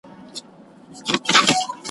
پر دېګدان باندي یې هیڅ نه وه بار کړي ,